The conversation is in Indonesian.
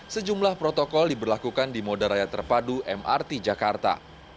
sejumlah protokol diberlakukan di moda raya terpadu mrt jakarta